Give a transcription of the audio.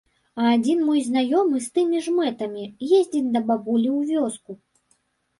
А адзін мой знаёмы з тымі ж мэтамі ездзіць да бабулі ў вёску.